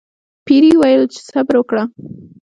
پیري وویل چې صبر وکړه.